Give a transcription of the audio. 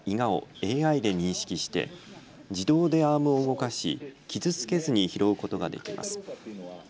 備え付けのカメラに写るくりの実やいがをＡＩで認識して自動でアームを動かし傷つけずに拾うことができます。